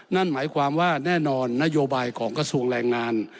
นั่นหมายความว่าแน่นอนนโยบายของกระทรวงแรงงาน